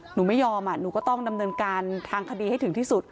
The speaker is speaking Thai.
หนูไม่ยอมหนูก็ต้องดำเนินการทางคดีให้ถึงที่สุด